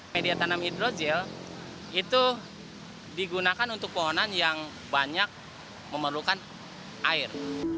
media tanam hidrogel itu digunakan untuk pohonan yang banyak memerlukan air